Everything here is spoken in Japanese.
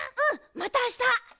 またあした！